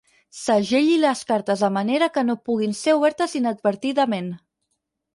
Segelli les cartes de manera que no puguin ser obertes inadvertidament.